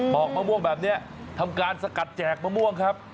อกมะม่วงแบบนี้ทำการสกัดแจกมะม่วงครับ